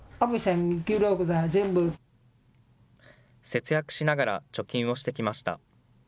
節約しながら貯金をしてきました。